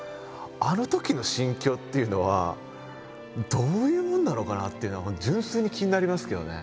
あのときの心境っていうのはどういうもんなのかなっていうのが純粋に気になりますけどね。